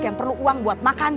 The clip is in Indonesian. yang perlu uang buat makan